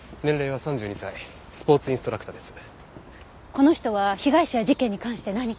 この人は被害者や事件に関して何か？